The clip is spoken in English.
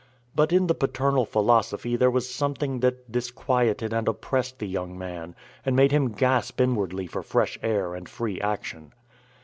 But in the paternal philosophy there was something that disquieted and oppressed the young man, and made him gasp inwardly for fresh air and free action.